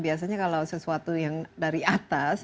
biasanya kalau sesuatu yang dari atas